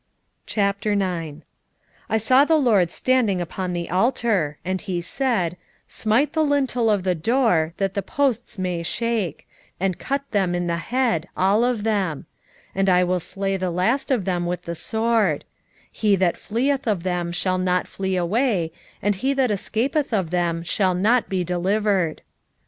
9:1 I saw the LORD standing upon the altar: and he said, Smite the lintel of the door, that the posts may shake: and cut them in the head, all of them; and I will slay the last of them with the sword: he that fleeth of them shall not flee away, and he that escapeth of them shall not be delivered.